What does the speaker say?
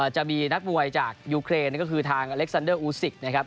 จะมีนักมวยจากยูเครนก็คือทางอเล็กซันเดอร์อูซิกนะครับ